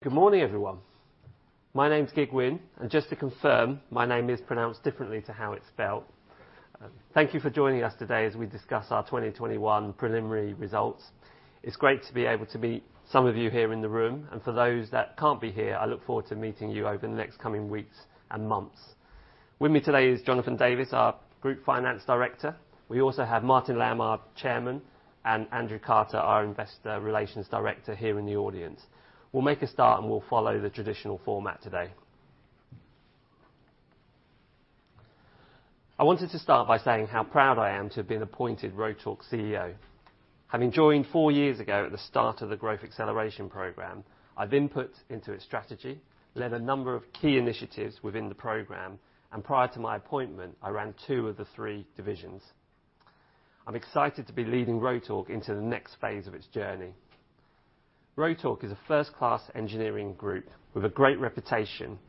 Good morning, everyone. My name's Kiet Huynh, and just to confirm, my name is pronounced differently to how it's spelled. Thank you for joining us today as we discuss our 2021 preliminary results. It's great to be able to meet some of you here in the room, and for those that can't be here, I look forward to meeting you over the next coming weeks and months. With me today is Jonathan Davis, our Group Finance Director. We also have Martin Lamb, our Chairman, and Andrew Carter, our Investor Relations Director here in the audience. We'll make a start, and we'll follow the traditional format today. I wanted to start by saying how proud I am to have been appointed Rotork CEO. Having joined four years ago at the start of the Growth Acceleration Programme, I've input into its strategy, led a number of key initiatives within the programme, and prior to my appointment, I ran two of the three divisions. I'm excited to be leading Rotork into the next phase of its journey. Rotork is a first-class engineering group with a great reputation,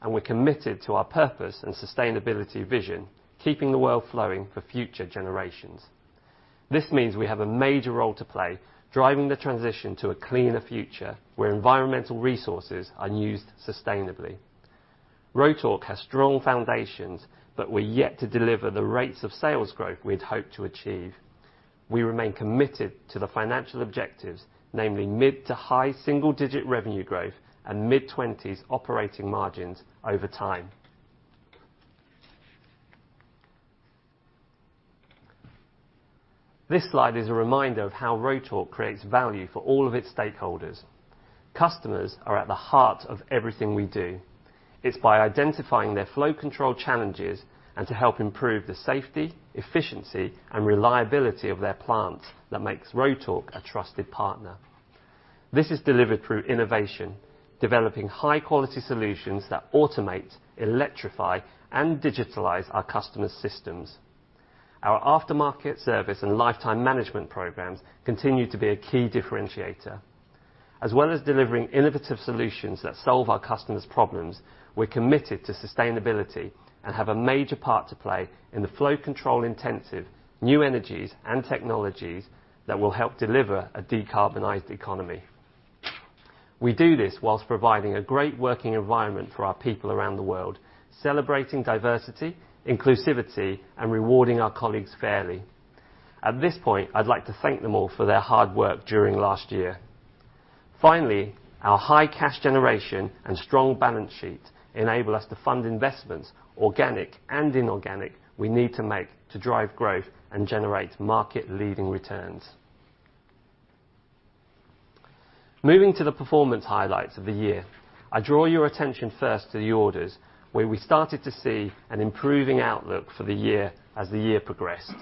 and we're committed to our purpose and sustainability vision, keeping the world flowing for future generations. This means we have a major role to play, driving the transition to a cleaner future where environmental resources are used sustainably. Rotork has strong foundations, but we're yet to deliver the rates of sales growth we'd hoped to achieve. We remain committed to the financial objectives, namely mid- to high-single-digit revenue growth and mid-20s operating margins over time. This slide is a reminder of how Rotork creates value for all of its stakeholders. Customers are at the heart of everything we do. It's by identifying their flow control challenges and to help improve the safety, efficiency, and reliability of their plant that makes Rotork a trusted partner. This is delivered through innovation, developing high-quality solutions that automate, electrify, and digitalize our customers' systems. Our aftermarket service and life cycle management programmes continue to be a key differentiator. As well as delivering innovative solutions that solve our customers' problems, we're committed to sustainability and have a major part to play in the flow control intensive, new energies and technologies that will help deliver a decarbonized economy. We do this while providing a great working environment for our people around the world, celebrating diversity, inclusivity, and rewarding our colleagues fairly. At this point, I'd like to thank them all for their hard work during last year. Finally, our high cash generation and strong balance sheet enable us to fund investments, organic and inorganic, we need to make to drive growth and generate market-leading returns. Moving to the performance highlights of the year, I draw your attention first to the orders, where we started to see an improving outlook for the year as the year progressed.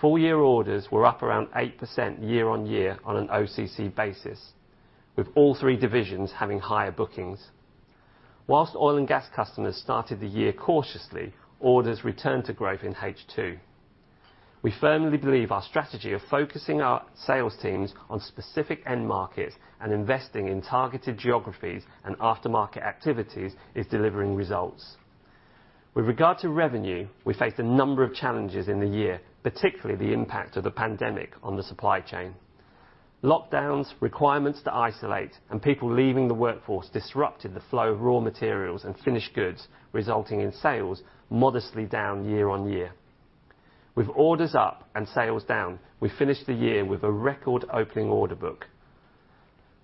Full year orders were up around 8% year-over-year on an OCC basis, with all three divisions having higher bookings. While oil and gas customers started the year cautiously, orders returned to growth in H2. We firmly believe our strategy of focusing our sales teams on specific end markets and investing in targeted geographies and aftermarket activities is delivering results. With regard to revenue, we faced a number of challenges in the year, particularly the impact of the pandemic on the supply chain. Lockdowns, requirements to isolate, and people leaving the workforce disrupted the flow of raw materials and finished goods, resulting in sales modestly down year-on-year. With orders up and sales down, we finished the year with a record opening order book.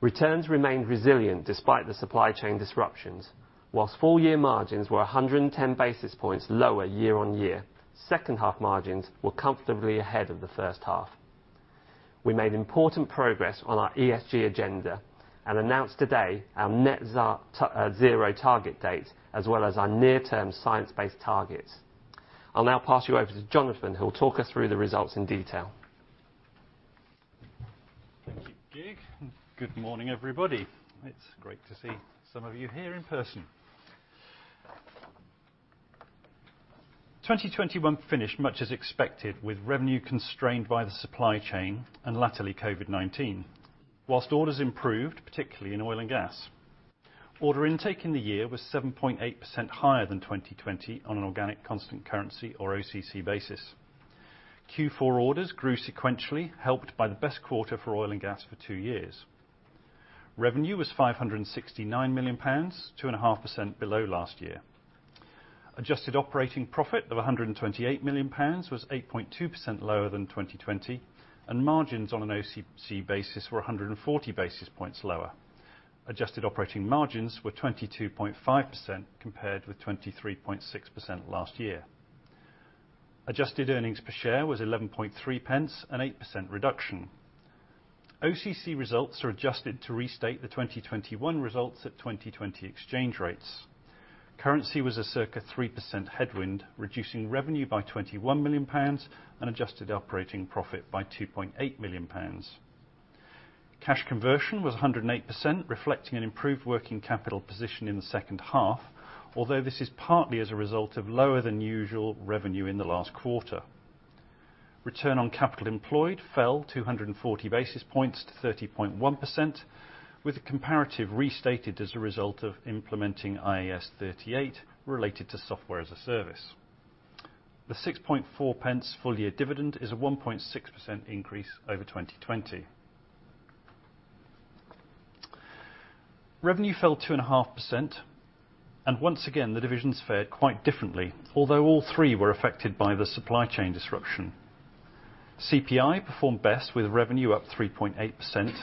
Returns remained resilient despite the supply chain disruptions. While full year margins were 110 basis points lower year-on-year, second half margins were comfortably ahead of the first half. We made important progress on our ESG agenda and announced today our net zero target date, as well as our near term science-based targets. I'll now pass you over to Jonathan, who will talk us through the results in detail. Thank you, Kiet. Good morning, everybody. It's great to see some of you here in person. 2021 finished much as expected with revenue constrained by the supply chain and latterly COVID-19. While orders improved, particularly in oil and gas. Order intake in the year was 7.8% higher than 2020 on an organic constant currency or OCC basis. Q4 orders grew sequentially, helped by the best quarter for oil and gas for two years. Revenue was 569 million pounds, 2.5% below last year. Adjusted operating profit of 128 million pounds was 8.2% lower than 2020, and margins on an OCC basis were 140 basis points lower. Adjusted operating margins were 22.5% compared with 23.6% last year. Adjusted earnings per share was 11.3, an 8% reduction. OCC results are adjusted to restate the 2021 results at 2020 exchange rates. Currency was a circa 3% headwind, reducing revenue by 21 million pounds and adjusted operating profit by 2.8 million pounds. Cash conversion was 108%, reflecting an improved working capital position in the second half, although this is partly as a result of lower than usual revenue in the last quarter. Return on capital employed fell 240 basis points to 30.1%, with a comparative restated as a result of implementing IAS 38 related to software as a service. The 6.4 full year dividend is a 1.6% increase over 2020. Revenue fell 2.5%, and once again, the divisions fared quite differently, although all three were affected by the supply chain disruption. CPI performed best with revenue up 3.8%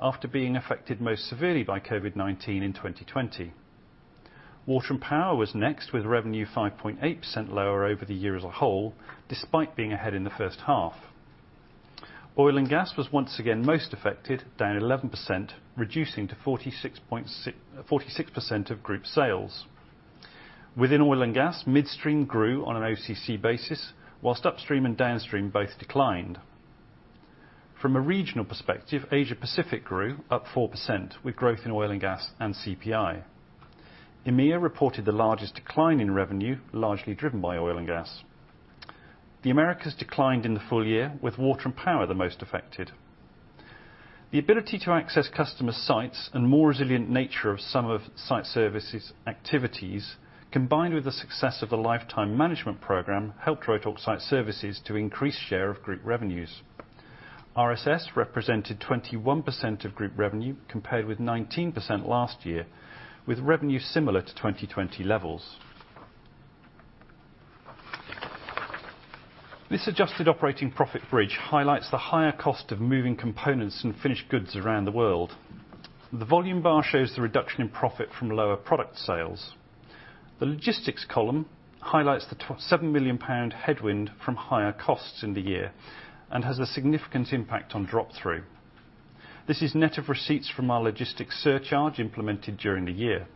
after being affected most severely by COVID-19 in 2020. Water and power was next, with revenue 5.8% lower over the year as a whole, despite being ahead in the first half. Oil and gas was once again most affected, down 11%, reducing to 46% of group sales. Within oil and gas, midstream grew on an OCC basis while upstream and downstream both declined. From a regional perspective, Asia Pacific grew up 4% with growth in oil and gas and CPI. EMEA reported the largest decline in revenue, largely driven by oil and gas. The Americas declined in the full year with water and power the most affected. The ability to access customer sites and more resilient nature of some of Site Services activities, combined with the success of the lifecycle management program, helped Rotork Site Services to increase share of group revenues. RSS represented 21% of group revenue, compared with 19% last year, with revenue similar to 2020 levels. This adjusted operating profit bridge highlights the higher cost of moving components and finished goods around the world. The volume bar shows the reduction in profit from lower product sales. The logistics column highlights the 7 million pound headwind from higher costs in the year and has a significant impact on drop through. This is net of receipts from our logistics surcharge implemented during the year.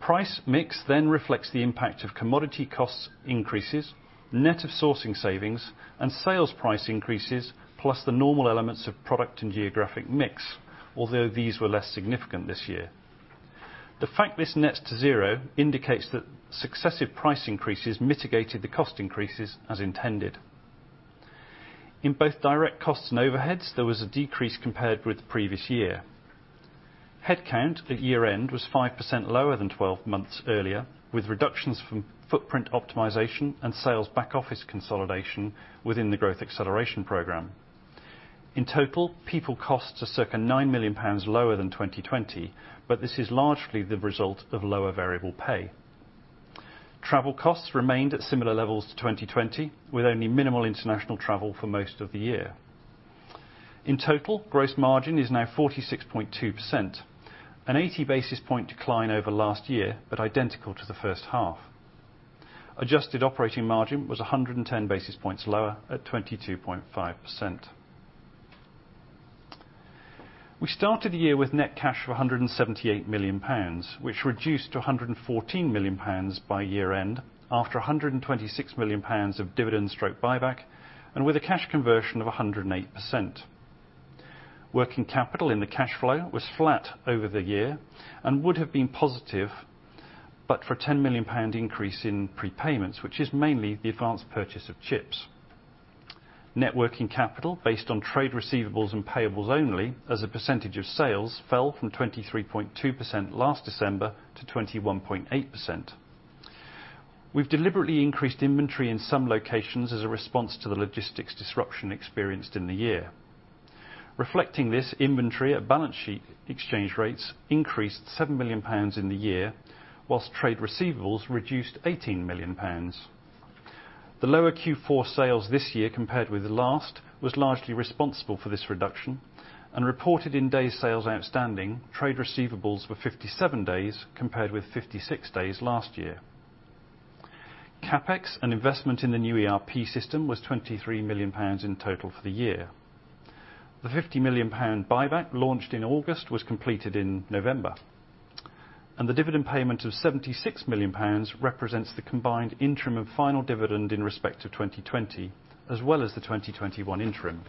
Price mix then reflects the impact of commodity costs increases, net of sourcing savings and sales price increases, plus the normal elements of product and geographic mix. Although these were less significant this year. The fact this net zero indicates that successive price increases mitigated the cost increases as intended. In both direct costs and overheads, there was a decrease compared with the previous year. Headcount at year-end was 5% lower than 12 months earlier, with reductions from footprint optimisation and sales back office consolidation within the Growth Acceleration Programme. In total, people costs are circa 9 million pounds lower than 2020, but this is largely the result of lower variable pay. Travel costs remained at similar levels to 2020, with only minimal international travel for most of the year. In total, gross margin is now 46.2%, an 80 basis point decline over last year, but identical to the first half. Adjusted operating margin was 110 basis points lower at 22.5%. We started the year with net cash of 178 million pounds, which reduced to 114 million pounds by year-end after 126 million pounds of dividend/buyback, and with a cash conversion of 108%. Working capital in the cash flow was flat over the year and would have been positive, but for 10 million pound increase in prepayments, which is mainly the advanced purchase of chips. Net working capital based on trade receivables and payables only as a percentage of sales fell from 23.2% last December to 21.8%. We've deliberately increased inventory in some locations as a response to the logistics disruption experienced in the year. Reflecting this inventory at balance sheet exchange rates increased 7 million pounds in the year, while trade receivables reduced 18 million pounds. The lower Q4 sales this year compared with the last was largely responsible for this reduction. As reported in day sales outstanding, trade receivables were 57 days compared with 56 days last year. CapEx and investment in the new ERP system was 23 million pounds in total for the year. The 50 million pound buyback launched in August was completed in November, and the dividend payment of 76 million pounds represents the combined interim and final dividend in respect to 2020, as well as the 2021 interim.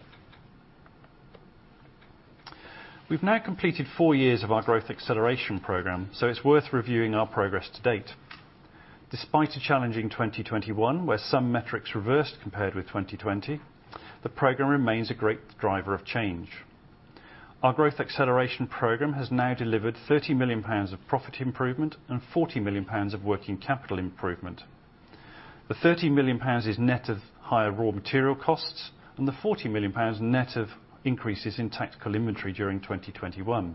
We've now completed four years of our Growth Acceleration Program, so it's worth reviewing our progress to date. Despite a challenging 2021, where some metrics reversed compared with 2020, the program remains a great driver of change. Our Growth Acceleration Program has now delivered GBP 30 million of profit improvement and GBP 40 million of working capital improvement. The GBP 30 million is net of higher raw material costs, and the GBP 40 million net of increases in tactical inventory during 2021.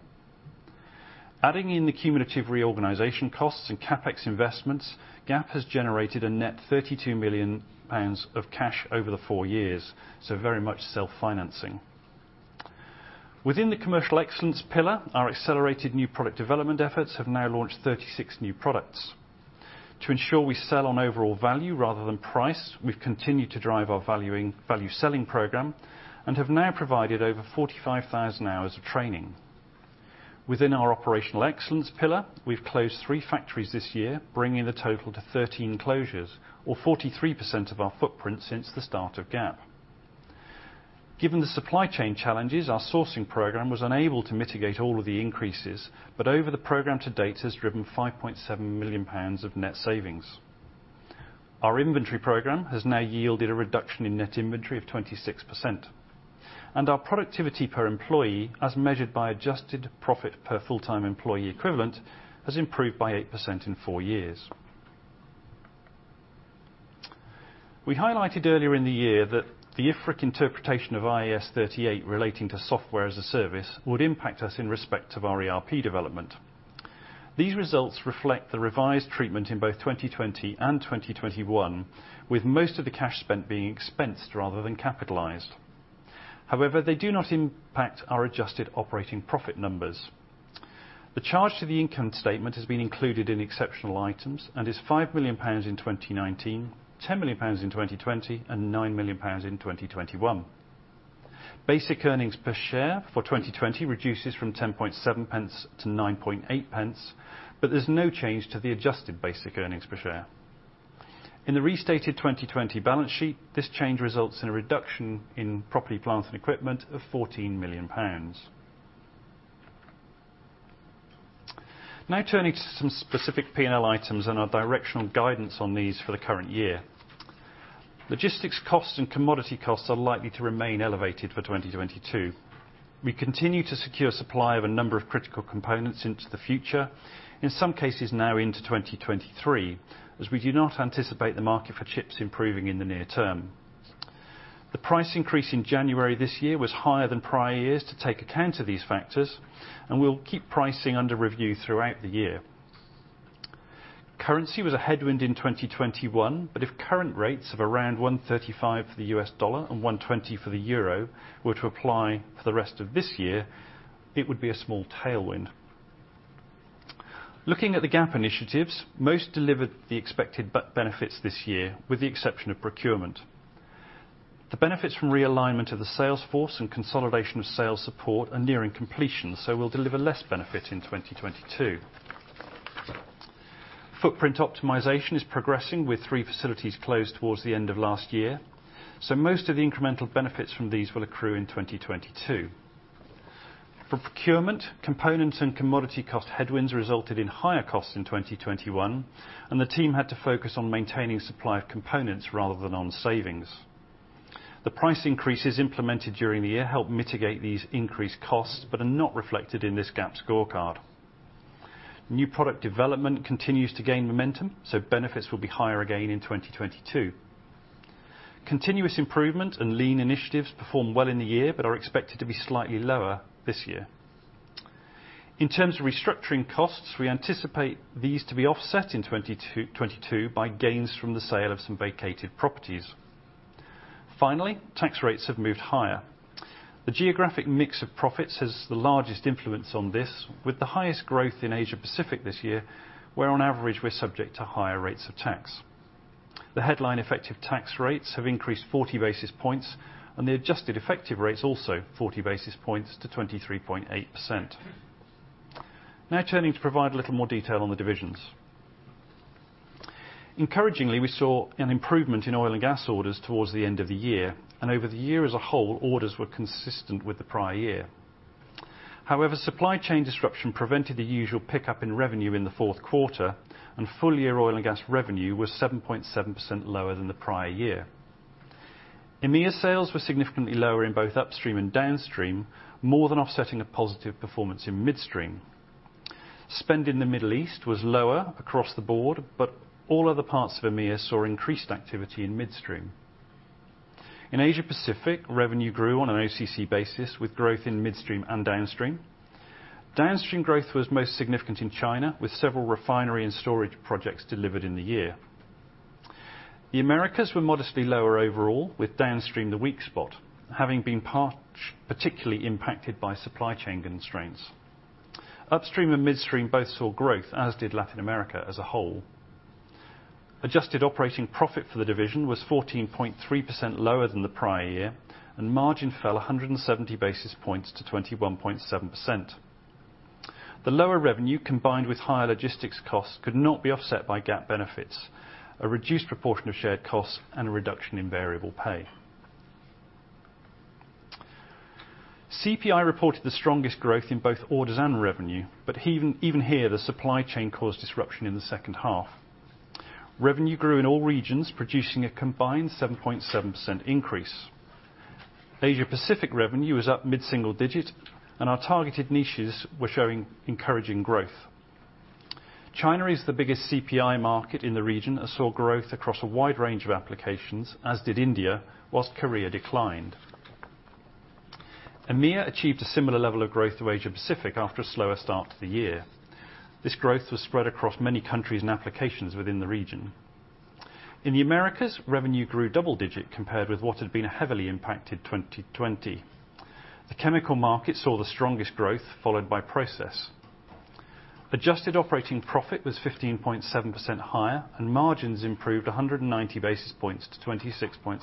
Adding in the cumulative reorganization costs and CapEx investments, GAP has generated a net 32 million pounds of cash over the four years, so very much self-financing. Within the commercial excellence pillar, our accelerated new product development efforts have now launched 36 new products. To ensure we sell on overall value rather than price, we've continued to drive our value selling program and have now provided over 45,000 hours of training. Within our operational excellence pillar, we've closed three factories this year, bringing the total to 13 closures or 43% of our footprint since the start of GAP. Given the supply chain challenges, our sourcing program was unable to mitigate all of the increases, but over the program to date has driven 5.7 million pounds of net savings. Our inventory program has now yielded a reduction in net inventory of 26%. Our productivity per employee, as measured by adjusted profit per full-time employee equivalent, has improved by 8% in four years. We highlighted earlier in the year that the IFRIC interpretation of IAS 38 relating to software-as-a-service would impact us in respect of our ERP development. These results reflect the revised treatment in both 2020 and 2021, with most of the cash spent being expensed rather than capitalized. However, they do not impact our adjusted operating profit numbers. The charge to the income statement has been included in exceptional items and is 5 million pounds in 2019, 10 million pounds in 2020, and 9 million pounds in 2021. Basic earnings per share for 2020 reduces from 10.7 pence to 9.8 pence, but there's no change to the adjusted basic earnings per share. In the restated 2020 balance sheet, this change results in a reduction in property, plant, and equipment of 14 million pounds. Now turning to some specific P&L items and our directional guidance on these for the current year. Logistics costs and commodity costs are likely to remain elevated for 2022. We continue to secure supply of a number of critical components into the future, in some cases now into 2023, as we do not anticipate the market for chips improving in the near term. The price increase in January this year was higher than prior years to take account of these factors, and we'll keep pricing under review throughout the year. Currency was a headwind in 2021, but if current rates of around 1.35 for the U.S. dollar and 1.20 for the euro were to apply for the rest of this year, it would be a small tailwind. Looking at the GAP initiatives, most delivered the expected benefits this year, with the exception of procurement. The benefits from realignment of the sales force and consolidation of sales support are nearing completion, so we'll deliver less benefit in 2022. Footprint optimisation is progressing with three facilities closed towards the end of last year, so most of the incremental benefits from these will accrue in 2022. For procurement, components and commodity cost headwinds resulted in higher costs in 2021, and the team had to focus on maintaining supply of components rather than on savings. The price increases implemented during the year helped mitigate these increased costs but are not reflected in this GAAP scorecard. New product development continues to gain momentum, so benefits will be higher again in 2022. Continuous improvement and lean initiatives performed well in the year but are expected to be slightly lower this year. In terms of restructuring costs, we anticipate these to be offset in 2022 by gains from the sale of some vacated properties. Finally, tax rates have moved higher. The geographic mix of profits has the largest influence on this, with the highest growth in Asia Pacific this year, where on average we're subject to higher rates of tax. The headline effective tax rates have increased 40 basis points, and the adjusted effective rates also 40 basis points to 23.8%. Now turning to provide a little more detail on the divisions. Encouragingly, we saw an improvement in oil and gas orders towards the end of the year, and over the year as a whole, orders were consistent with the prior year. However, supply chain disruption prevented the usual pickup in revenue in the fourth quarter, and full-year oil and gas revenue was 7.7% lower than the prior year. EMEA sales were significantly lower in both upstream and downstream, more than offsetting a positive performance in midstream. Spend in the Middle East was lower across the board, but all other parts of EMEA saw increased activity in midstream. In Asia Pacific, revenue grew on an OCC basis, with growth in midstream and downstream. Downstream growth was most significant in China, with several refinery and storage projects delivered in the year. The Americas were modestly lower overall, with downstream the weak spot, having been particularly impacted by supply chain constraints. Upstream and midstream both saw growth, as did Latin America as a whole. Adjusted operating profit for the division was 14.3% lower than the prior year, and margin fell 170 basis points to 21.7%. The lower revenue, combined with higher logistics costs, could not be offset by GAP benefits, a reduced proportion of shared costs, and a reduction in variable pay. CPI reported the strongest growth in both orders and revenue, but even here, the supply chain caused disruption in the second half. Revenue grew in all regions, producing a combined 7.7% increase. Asia Pacific revenue was up mid-single-digit, and our targeted niches were showing encouraging growth. China is the biggest CPI market in the region and saw growth across a wide range of applications, as did India, while Korea declined. EMEA achieved a similar level of growth to Asia Pacific after a slower start to the year. This growth was spread across many countries and applications within the region. In the Americas, revenue grew double-digit compared with what had been a heavily impacted 2020. The chemical market saw the strongest growth, followed by process. Adjusted operating profit was 15.7% higher, and margins improved 190 basis points to 26.7%.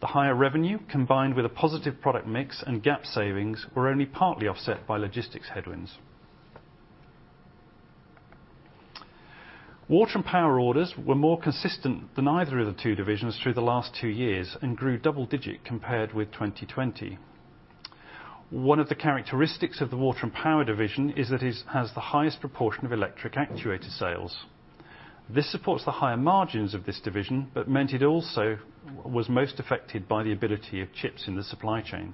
The higher revenue, combined with a positive product mix and GAP savings, were only partly offset by logistics headwinds. Water and power orders were more consistent than either of the two divisions through the last two years and grew double-digit compared with 2020. One of the characteristics of the water and power division is that it has the highest proportion of electric actuator sales. This supports the higher margins of this division, but meant it also was most affected by the availability of chips in the supply chain.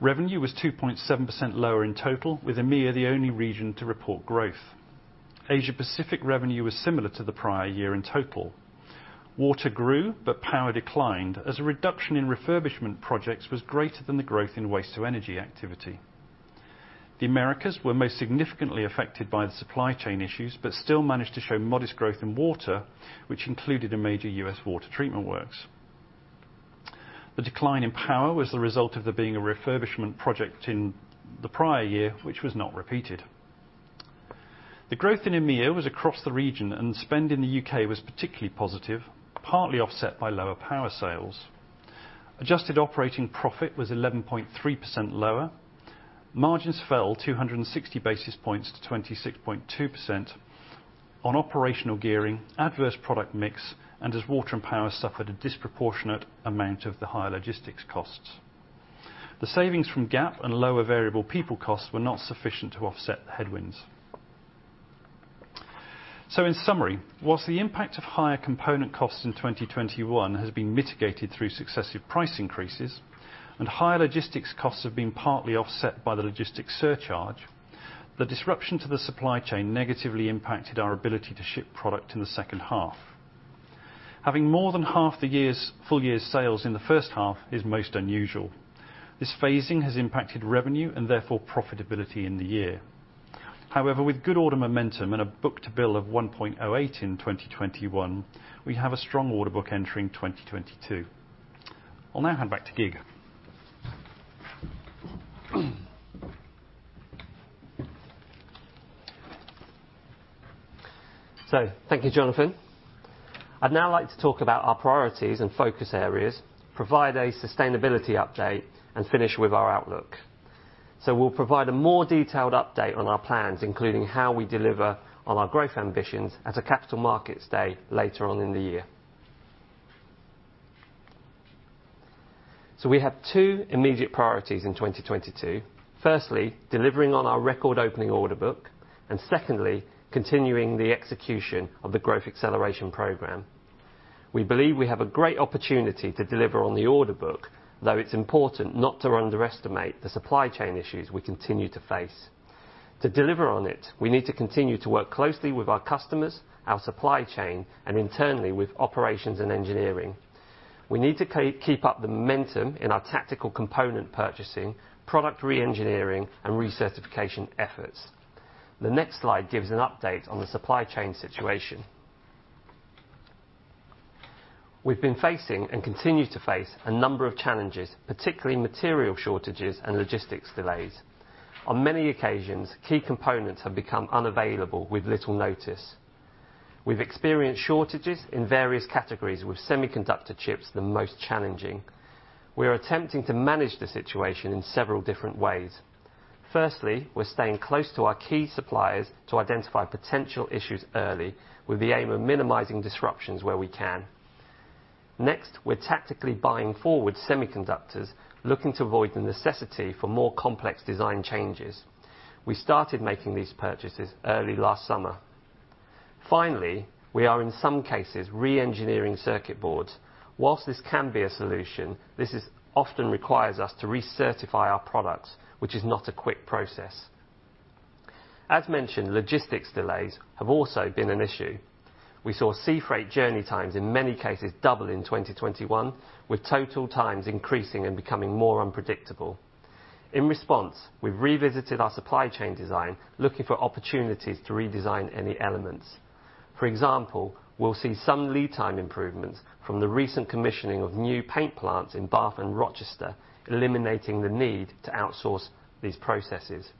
Revenue was 2.7% lower in total, with EMEA the only region to report growth. Asia-Pacific revenue was similar to the prior year in total. Water grew, but power declined as a reduction in refurbishment projects was greater than the growth in waste-to-energy activity. The Americas were most significantly affected by the supply chain issues, but still managed to show modest growth in water, which included a major U.S. water treatment works. The decline in power was the result of there being a refurbishment project in the prior year, which was not repeated. The growth in EMEA was across the region, and spend in the U.K. was particularly positive, partly offset by lower power sales. Adjusted operating profit was 11.3% lower. Margins fell 260 basis points to 26.2% on operational gearing, adverse product mix, and as water and power suffered a disproportionate amount of the higher logistics costs. The savings from GAP and lower variable people costs were not sufficient to offset the headwinds. In summary, while the impact of higher component costs in 2021 has been mitigated through successive price increases and higher logistics costs have been partly offset by the logistics surcharge, the disruption to the supply chain negatively impacted our ability to ship product in the second half. Having more than half the year's full year's sales in the first half is most unusual. This phasing has impacted revenue and therefore profitability in the year. However, with good order momentum and a book-to-bill of 1.08 in 2021, we have a strong order book entering 2022. I'll now hand back to Kiet. Thank you, Jonathan. I'd now like to talk about our priorities and focus areas, provide a sustainability update, and finish with our outlook. We'll provide a more detailed update on our plans, including how we deliver on our growth ambitions at a Capital Markets Day later on in the year. We have two immediate priorities in 2022. Firstly, delivering on our record-opening order book, and secondly, continuing the execution of the Growth Acceleration Programme. We believe we have a great opportunity to deliver on the order book, though it's important not to underestimate the supply chain issues we continue to face. To deliver on it, we need to continue to work closely with our customers, our supply chain, and internally with operations and engineering. We need to keep up the momentum in our tactical component purchasing, product reengineering, and recertification efforts. The next slide gives an update on the supply chain situation. We've been facing and continue to face a number of challenges, particularly material shortages and logistics delays. On many occasions, key components have become unavailable with little notice. We've experienced shortages in various categories, with semiconductor chips the most challenging. We are attempting to manage the situation in several different ways. First, we're staying close to our key suppliers to identify potential issues early with the aim of minimizing disruptions where we can. Next, we're tactically buying forward semiconductors, looking to avoid the necessity for more complex design changes. We started making these purchases early last summer. Finally, we are in some cases reengineering circuit boards. While this can be a solution, this often requires us to recertify our products, which is not a quick process. As mentioned, logistics delays have also been an issue. We saw sea freight journey times in many cases double in 2021, with total times increasing and becoming more unpredictable. In response, we've revisited our supply chain design, looking for opportunities to redesign any elements. For example, we'll see some lead time improvements from the recent commissioning of new paint plants in Bath and Rochester, eliminating the need to outsource these processes.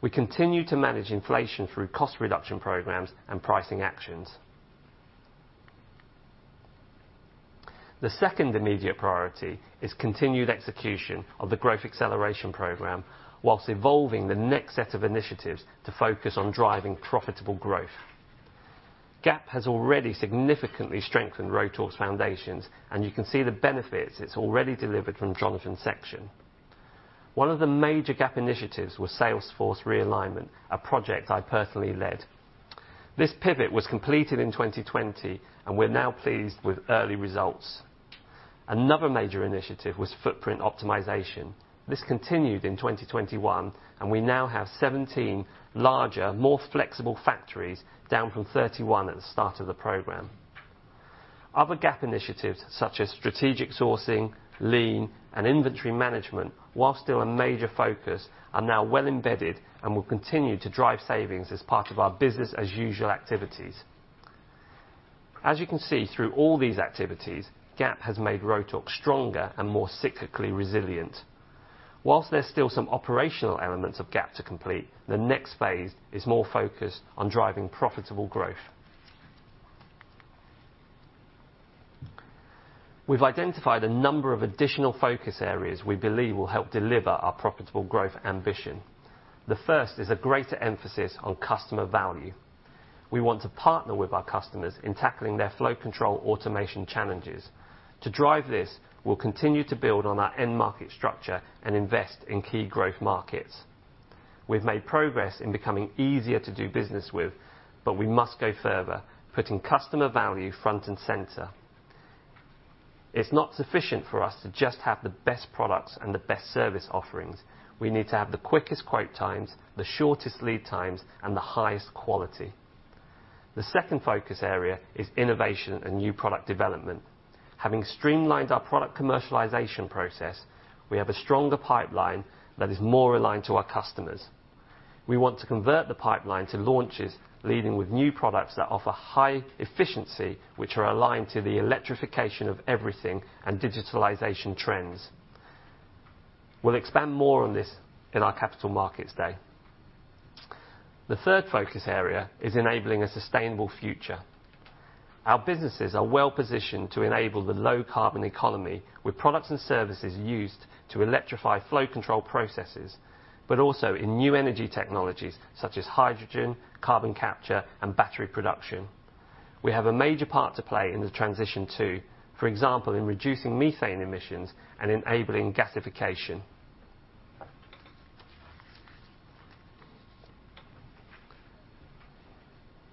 We continue to manage inflation through cost reduction programs and pricing actions. The second immediate priority is continued execution of the growth acceleration program while evolving the next set of initiatives to focus on driving profitable growth. GAP has already significantly strengthened Rotork's foundations, and you can see the benefits it's already delivered from Jonathan's section. One of the major GAP initiatives was sales force realignment, a project I personally led. This pivot was completed in 2020, and we're now pleased with early results. Another major initiative was footprint optimisation. This continued in 2021, and we now have 17 larger, more flexible factories, down from 31 at the start of the program. Other GAP initiatives such as strategic sourcing, lean, and inventory management, while still a major focus, are now well embedded and will continue to drive savings as part of our business as usual activities. As you can see through all these activities, GAP has made Rotork stronger and more cyclically resilient. While there's still some operational elements of GAP to complete, the next phase is more focused on driving profitable growth. We've identified a number of additional focus areas we believe will help deliver our profitable growth ambition. The first is a greater emphasis on customer value. We want to partner with our customers in tackling their flow control automation challenges. To drive this, we'll continue to build on our end market structure and invest in key growth markets. We've made progress in becoming easier to do business with, but we must go further, putting customer value front and center. It's not sufficient for us to just have the best products and the best service offerings. We need to have the quickest quote times, the shortest lead times, and the highest quality. The second focus area is innovation and new product development. Having streamlined our product commercialization process, we have a stronger pipeline that is more aligned to our customers. We want to convert the pipeline to launches, leading with new products that offer high efficiency, which are aligned to the electrification of everything and digitalization trends. We'll expand more on this in our Capital Markets Day. The third focus area is enabling a sustainable future. Our businesses are well-positioned to enable the low carbon economy with products and services used to electrify flow control processes, but also in new energy technologies such as hydrogen, carbon capture, and battery production. We have a major part to play in the transition too, for example, in reducing methane emissions and enabling gasification.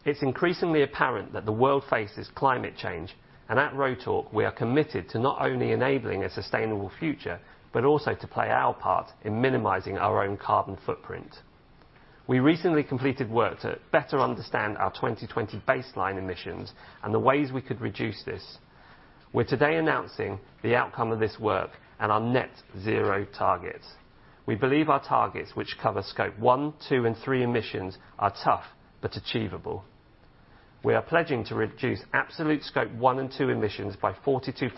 It's increasingly apparent that the world faces climate change, and at Rotork, we are committed to not only enabling a sustainable future, but also to play our part in minimizing our own carbon footprint. We recently completed work to better understand our 2020 baseline emissions and the ways we could reduce this. We're today announcing the outcome of this work and our net zero targets. We believe our targets, which cover scope one, two, and three emissions, are tough but achievable. We are pledging to reduce absolute Scope 1 and 2 emissions by 42%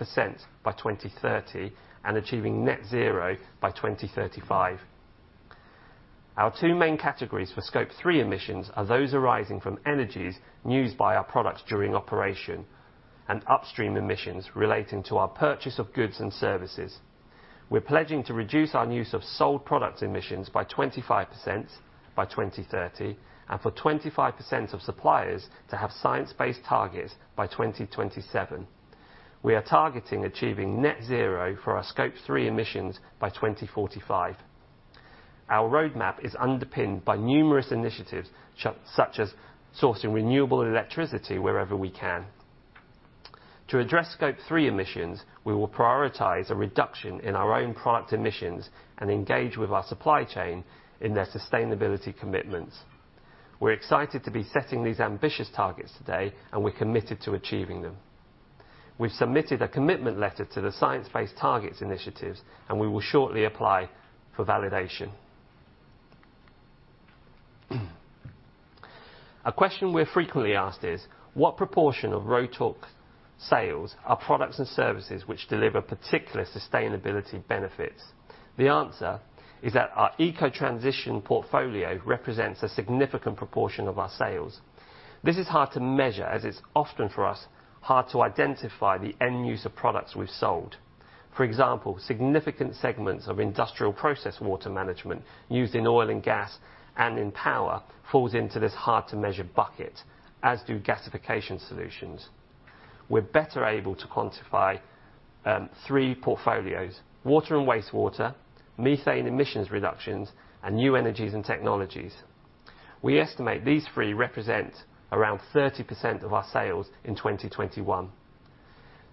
by 2030, and achieving net zero by 2035. Our two main categories for Scope 3 emissions are those arising from energies used by our products during operation and upstream emissions relating to our purchase of goods and services. We're pledging to reduce our use of sold products emissions by 25% by 2030, and for 25% of suppliers to have science-based targets by 2027. We are targeting achieving net zero for our Scope 3 emissions by 2045. Our roadmap is underpinned by numerous initiatives, such as sourcing renewable electricity wherever we can. To address Scope 3 emissions, we will prioritize a reduction in our own product emissions and engage with our supply chain in their sustainability commitments. We're excited to be setting these ambitious targets today, and we're committed to achieving them. We've submitted a commitment letter to the Science Based Targets initiative, and we will shortly apply for validation. A question we're frequently asked is, "What proportion of Rotork sales are products and services which deliver particular sustainability benefits?" The answer is that our eco-transition portfolio represents a significant proportion of our sales. This is hard to measure, as it's often for us hard to identify the end use of products we've sold. For example, significant segments of industrial process water management used in oil and gas and in power falls into this hard-to-measure bucket, as do gasification solutions. We're better able to quantify three portfolios: water and wastewater, methane emissions reductions, and new energies and technologies. We estimate these three represent around 30% of our sales in 2021.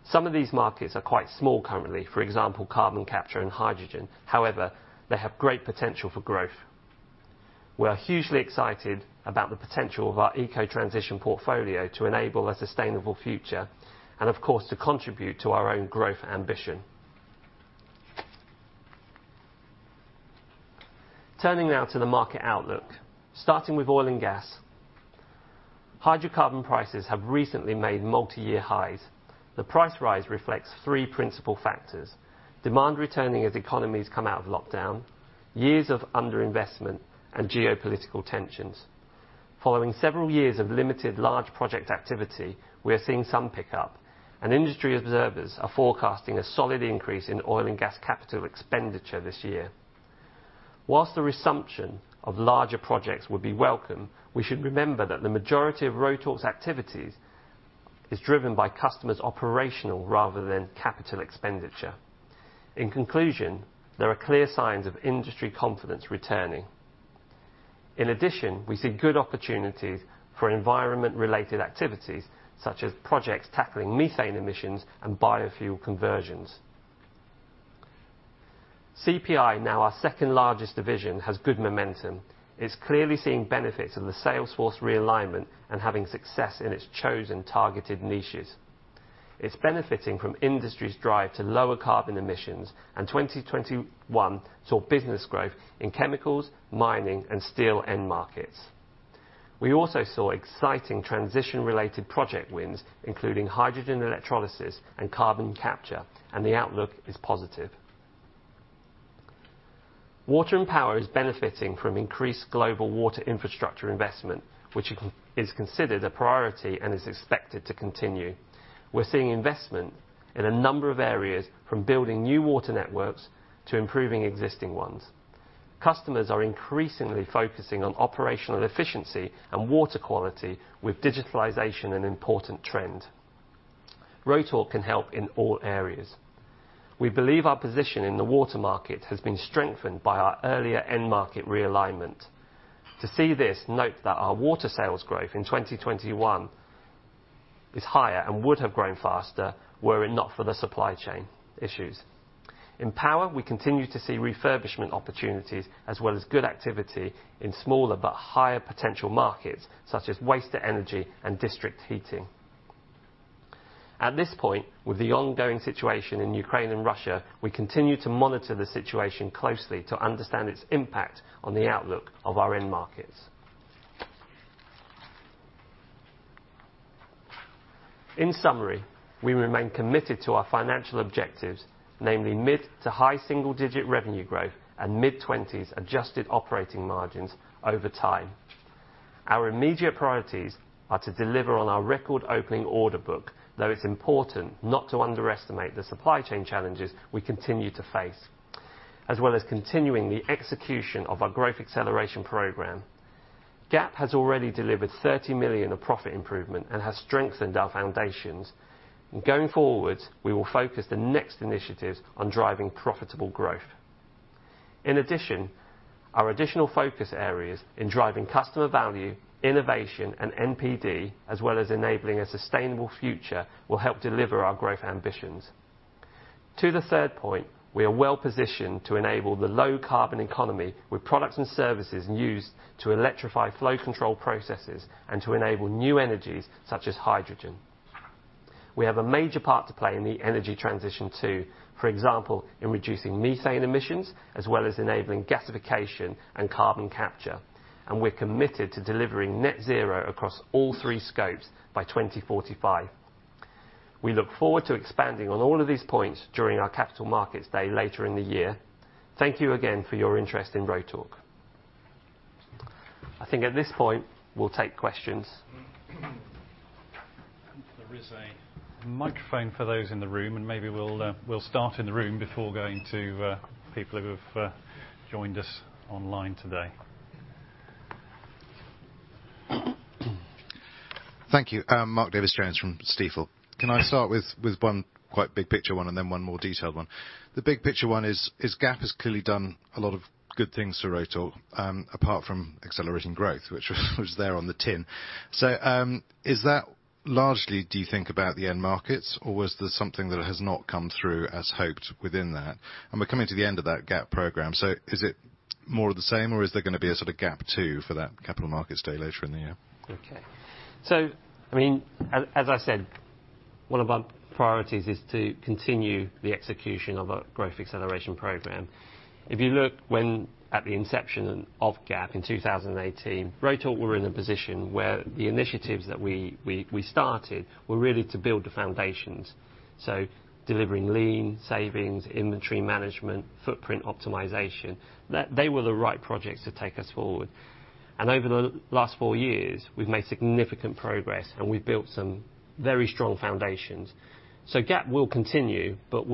Some of these markets are quite small currently, for example, carbon capture and hydrogen. However, they have great potential for growth. We are hugely excited about the potential of our eco-transition portfolio to enable a sustainable future and, of course, to contribute to our own growth ambition. Turning now to the market outlook. Starting with oil and gas, hydrocarbon prices have recently made multiyear highs. The price rise reflects three principal factors, demand returning as economies come out of lockdown, years of underinvestment, and geopolitical tensions. Following several years of limited large project activity, we are seeing some pickup, and industry observers are forecasting a solid increase in oil and gas capital expenditure this year. Whilst the resumption of larger projects will be welcome, we should remember that the majority of Rotork's activities is driven by customers' operational rather than capital expenditure. In conclusion, there are clear signs of industry confidence returning. In addition, we see good opportunities for environment-related activities, such as projects tackling methane emissions and biofuel conversions. CPI, now our second-largest division, has good momentum, is clearly seeing benefits of the sales force realignment, and having success in its chosen targeted niches. It's benefiting from industry's drive to lower carbon emissions, and 2021 saw business growth in chemicals, mining, and steel end markets. We also saw exciting transition-related project wins, including hydrogen electrolysis and carbon capture, and the outlook is positive. Water and power is benefiting from increased global water infrastructure investment, which it is considered a priority and is expected to continue. We're seeing investment in a number of areas, from building new water networks to improving existing ones. Customers are increasingly focusing on operational efficiency and water quality with digitalization an important trend. Rotork can help in all areas. We believe our position in the water market has been strengthened by our earlier end market realignment. To see this, note that our water sales growth in 2021 is higher and would have grown faster were it not for the supply chain issues. In power, we continue to see refurbishment opportunities as well as good activity in smaller but higher potential markets such as waste to energy and district heating. At this point, with the ongoing situation in Ukraine and Russia, we continue to monitor the situation closely to understand its impact on the outlook of our end markets. In summary, we remain committed to our financial objectives, namely mid- to high-single-digit revenue growth and mid-20s adjusted operating margins over time. Our immediate priorities are to deliver on our record opening order book, though it's important not to underestimate the supply chain challenges we continue to face, as well as continuing the execution of our Growth Acceleration Programme. GAP has already delivered 30 million of profit improvement and has strengthened our foundations. Going forwards, we will focus the next initiatives on driving profitable growth. In addition, our additional focus areas in driving customer value, innovation, and NPD, as well as enabling a sustainable future, will help deliver our growth ambitions. To the third point, we are well positioned to enable the low carbon economy with products and services used to electrify flow control processes and to enable new energies such as hydrogen. We have a major part to play in the energy transition too, for example, in reducing methane emissions as well as enabling gasification and carbon capture. We're committed to delivering net zero across all three scopes by 2045. We look forward to expanding on all of these points during our Capital Markets Day later in the year. Thank you again for your interest in Rotork. I think at this point we'll take questions. There is a microphone for those in the room, and maybe we'll start in the room before going to people who have joined us online today. Thank you. I'm Mark Davies Jones from Stifel. Can I start with one quite big picture one and then one more detailed one? The big picture one is GAP has clearly done a lot of good things for Rotork, apart from accelerating growth, which was there on the tin. Is that largely, do you think, about the end markets, or was there something that has not come through as hoped within that? We're coming to the end of that GAP program. Is it more of the same, or is there gonna be a sort of GAP two for that Capital Markets Day later in the year? I mean, as I said, one of our priorities is to continue the execution of our Growth Acceleration Programme. If you look at the inception of GAP in 2018, Rotork were in a position where the initiatives that we started were really to build the foundations. Delivering lean, savings, inventory management, footprint optimisation, they were the right projects to take us forward. Over the last four years, we've made significant progress, and we've built some very strong foundations. GAP will continue, but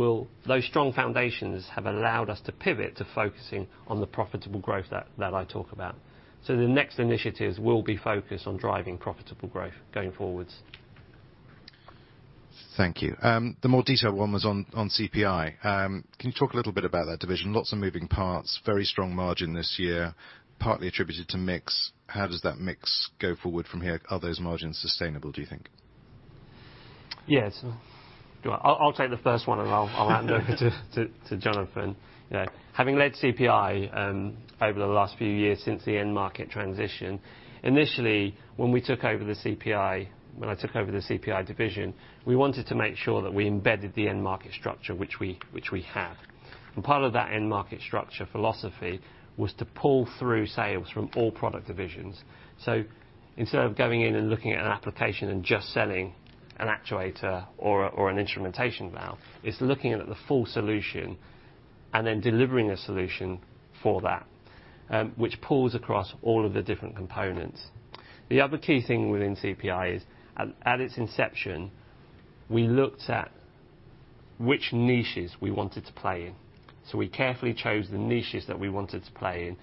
those strong foundations have allowed us to pivot to focusing on the profitable growth that I talk about. The next initiatives will be focused on driving profitable growth going forwards. Thank you. The more detailed one was on CPI. Can you talk a little bit about that division? Lots of moving parts, very strong margin this year, partly attributed to mix. How does that mix go forward from here? Are those margins sustainable, do you think? Yes. I'll take the first one, and I'll hand over to Jonathan. You know, having led CPI over the last few years since the end market transition, initially, when we took over the CPI, when I took over the CPI division, we wanted to make sure that we embedded the end market structure which we have. Part of that end market structure philosophy was to pull through sales from all product divisions. Instead of going in and looking at an application and just selling an actuator or an instrumentation valve, it's looking at the full solution and then delivering a solution for that, which pulls across all of the different components. The other key thing within CPI is at its inception, we looked at which niches we wanted to play in. We carefully chose the niches that we wanted to play in,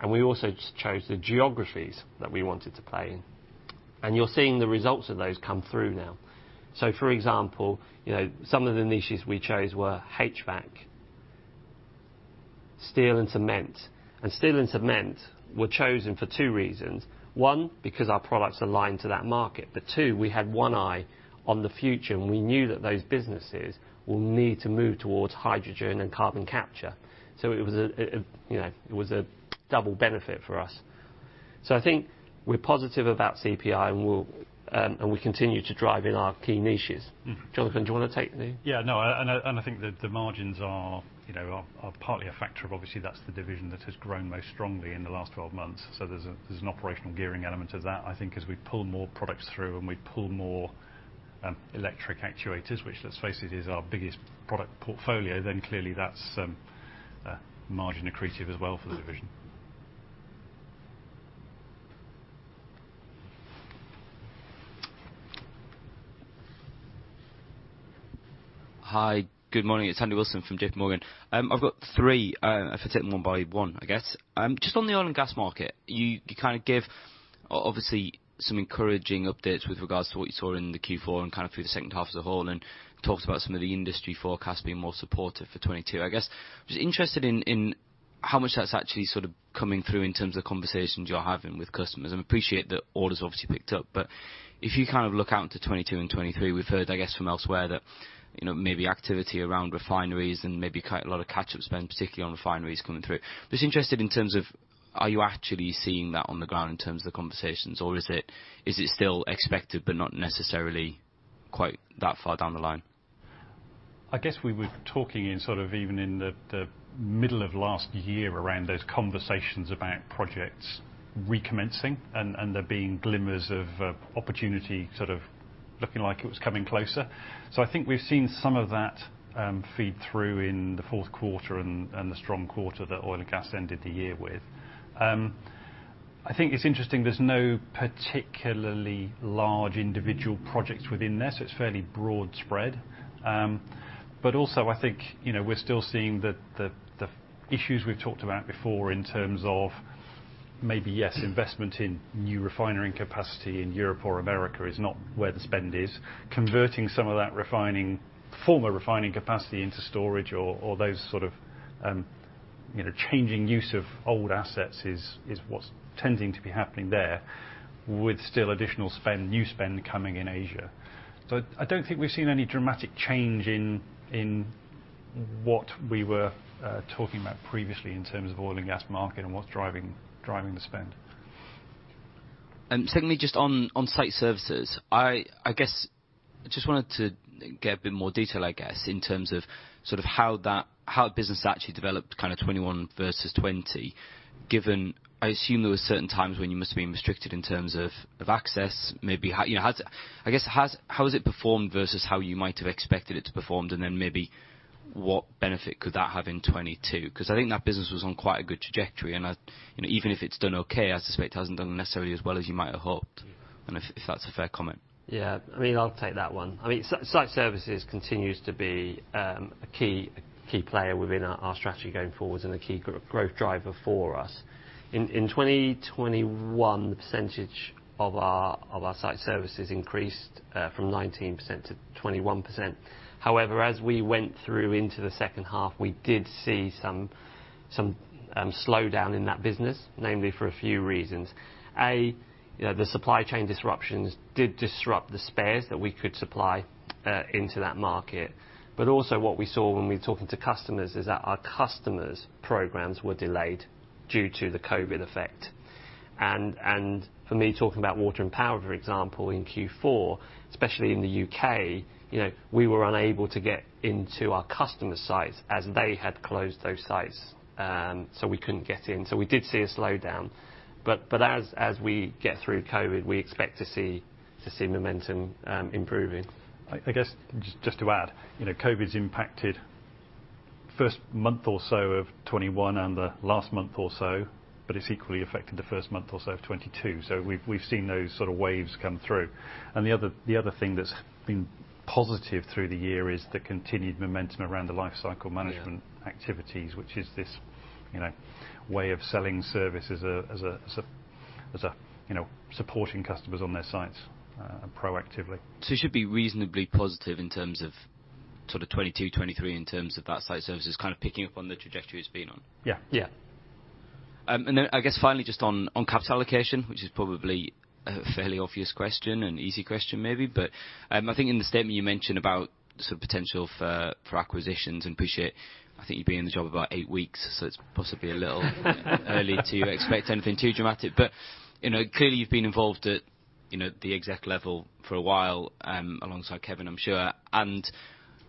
and we also chose the geographies that we wanted to play in. You're seeing the results of those come through now. For example, you know, some of the niches we chose were HVAC, steel and cement. Steel and cement were chosen for two reasons. One, because our products aligned to that market. Two, we had one eye on the future, and we knew that those businesses will need to move towards hydrogen and carbon capture. It was a, you know, it was a double benefit for us. I think we're positive about CPI, and we'll continue to drive in our key niches. Mm-hmm. Jonathan, do you wanna take the I think the margins are, you know, partly a factor of obviously that's the division that has grown most strongly in the last 12 months. There's an operational gearing element of that. I think as we pull more products through and we pull more electric actuators, which, let's face it, is our biggest product portfolio, then clearly that's margin accretive as well for the division. Hi, good morning. It's Andy Wilson from JP Morgan. I've got three, if I take them one by one, I guess. Just on the oil and gas market, you kind of give obviously some encouraging updates with regards to what you saw in the Q4 and kind of through the second half as a whole, and talked about some of the industry forecasts being more supportive for 2022. I guess, I was just interested in how much that's actually sort of coming through in terms of conversations you're having with customers. I appreciate that orders obviously picked up, but if you kind of look out into 2022 and 2023, we've heard, I guess, from elsewhere that, you know, maybe activity around refineries and maybe quite a lot of catch-up spend, particularly on refineries coming through. Just interested in terms of, are you actually seeing that on the ground in terms of the conversations, or is it still expected but not necessarily quite that far down the line? I guess we were talking in sort of even in the middle of last year around those conversations about projects recommencing and there being glimmers of opportunity sort of looking like it was coming closer. I think we've seen some of that feed through in the fourth quarter and the strong quarter that oil and gas ended the year with. I think it's interesting there's no particularly large individual projects within this. It's fairly broad spread. I think, you know, we're still seeing the issues we've talked about before in terms of maybe, yes, investment in new refinery capacity in Europe or America is not where the spend is. Converting some of that refining, former refining capacity into storage or those sort of, you know, changing use of old assets is what's tending to be happening there with still additional spend, new spend coming in Asia. I don't think we've seen any dramatic change in what we were talking about previously in terms of oil and gas market and what's driving the spend. Secondly, just on Site Services. I guess I just wanted to get a bit more detail, I guess, in terms of sort of how that, how the business actually developed kind of 2021 versus 2020, given I assume there were certain times when you must have been restricted in terms of access. You know, how has it performed versus how you might have expected it to perform, and then maybe what benefit could that have in 2022? 'Cause I think that business was on quite a good trajectory, and I, you know, even if it's done okay, I suspect it hasn't done necessarily as well as you might have hoped, and if that's a fair comment. Yeah. I mean, I'll take that one. I mean, Site Services continues to be a key player within our strategy going forward and a key growth driver for us. In 2021, the percentage of our Site Services increased from 19%-21%. However, as we went through into the second half, we did see some slowdown in that business, namely for a few reasons. A, you know, the supply chain disruptions did disrupt the spares that we could supply into that market. But also what we saw when we were talking to customers is that our customers' programs were delayed due to the COVID effect. For me, talking about water and power, for example, in Q4, especially in the U.K., you know, we were unable to get into our customers' sites as they had closed those sites. We couldn't get in. We did see a slowdown. As we get through COVID, we expect to see momentum improving. I guess, just to add, you know, COVID's impacted first month or so of 2021 and the last month or so, but it's equally affected the first month or so of 2022. We've seen those sort of waves come through. The other thing that's been positive through the year is the continued momentum around the lifecycle management activities, which is this, you know, way of selling service as a, you know, supporting customers on their sites proactively. You should be reasonably positive in terms of sort of 2022, 2023, in terms of that Site Services kind of picking up on the trajectory it's been on? Yeah. Yeah. I guess finally, just on capital allocation, which is probably a fairly obvious question, an easy question maybe, but I think in the statement you mentioned about sort of potential for acquisitions. I appreciate, I think you've been in the job about eight weeks, so it's possibly a little early to expect anything too dramatic. You know, clearly you've been involved at, you know, the exec level for a while, alongside Kevin, I'm sure.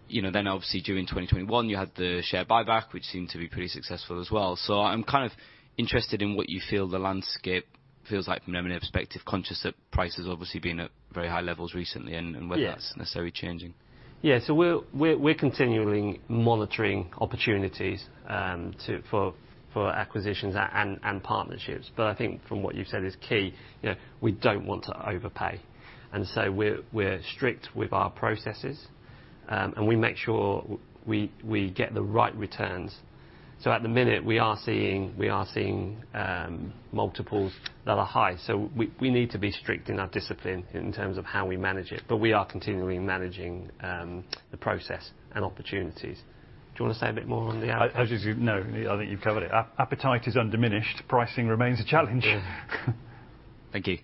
You know, then obviously during 2021, you had the share buyback, which seemed to be pretty successful as well. I'm kind of interested in what you feel the landscape feels like from an M&A perspective, conscious that price has obviously been at very high levels recently and whether Yeah. that's necessarily changing. Yeah. We're continually monitoring opportunities for acquisitions and partnerships. I think what you've said is key, you know, we don't want to overpay. We're strict with our processes and we make sure we get the right returns. At the minute, we are seeing multiples that are high. We need to be strict in our discipline in terms of how we manage it. We're continually managing the process and opportunities. Do you wanna say a bit more on the app- No. I think you've covered it. Appetite is undiminished. Pricing remains a challenge. Yeah. Thank you.